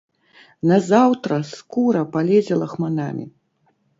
Назаўтра скура палезе лахманамі.